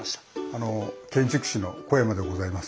あの建築士の小山でございます。